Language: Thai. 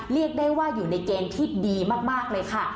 เรียกได้ว่าอยู่ในเกณฑ์ที่ดีมากเลยค่ะ